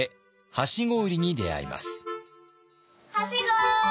はしご。